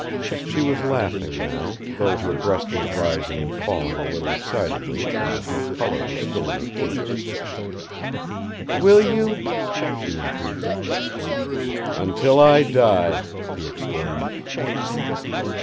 She was laughing now, though her breast was rising and falling a little excitedly and the deep color was still in her cheeks. "Will you?" she entreated. "Until I die," he exclaimed.